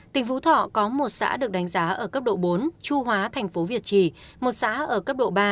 tỉnh phú thọ có một xã được đánh giá ở cấp độ bốn chu hóa thành phố việt trì một xã ở cấp độ ba